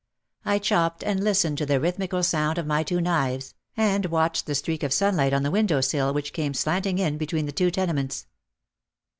I chopped and listened to the rhythmical sound of my two knives and watched the streak of sunlight on the window sill which came slanting in between the two tenements.